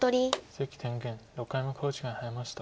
関天元６回目の考慮時間に入りました。